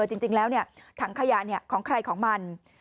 จริงแล้วถังขยะของใครของมัน